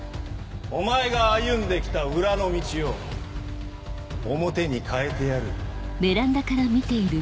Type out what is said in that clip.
お前が歩んで来た裏の道を表に変えてやる。